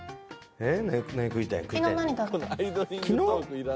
えっ？